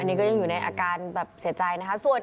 นี่ก็ยังอยู่ในอาการแบบเสียใจนะคะ